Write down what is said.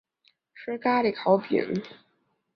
吃咖哩烤饼